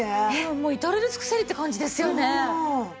もう至れり尽くせりって感じですよね。